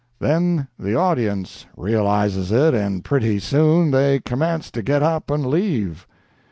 Then the audience realizes it, and pretty soon they commence to get up and leave.